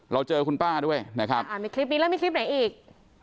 เจอคุณป้าด้วยนะครับอ่ามีคลิปนี้แล้วมีคลิปไหนอีก